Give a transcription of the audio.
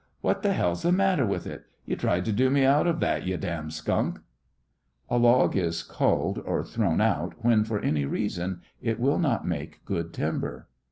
What the hell's th' matter with it? You tried to do me out of that, you damn skunk." A log is culled, or thrown out, when, for any reason, it will not make good timber.